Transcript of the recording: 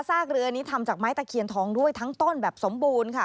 เรือนี้ทำจากไม้ตะเคียนทองด้วยทั้งต้นแบบสมบูรณ์ค่ะ